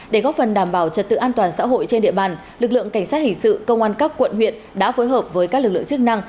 để góp phần đảm bảo trật tự an toàn xã hội trên địa bàn lực lượng cảnh sát hình sự công an các quận huyện đã phối hợp với các lực lượng chức năng